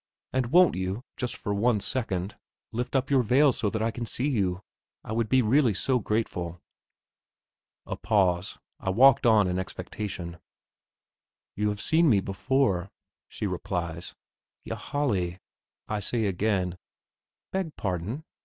and won't you, just for one second, lift up your veil so that I can see you? I would be really so grateful." A pause. I walked on in expectation. "You have seen me before," she replies. "Ylajali," I say again. "Beg pardon.